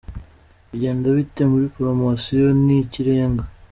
Bigenda bite muri Poromosiyo Ni ikirengaa?.